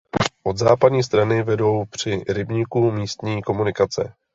Od západní strany vedou při rybníku místní komunikace.